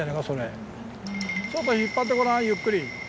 ちょっと引っぱってごらんゆっくり。